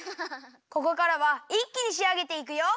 ここからはいっきにしあげていくよ！